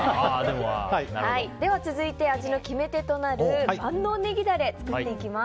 では続いて、味の決め手となる万能ネギダレ作っていきます。